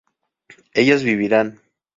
¿ellas vivirán?